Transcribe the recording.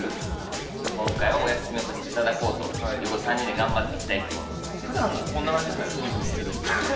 今回はお休みをさせていただこうということで３人で頑張って行きたいと思います。